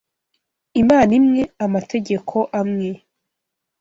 Imana imwe, Amategeko amwe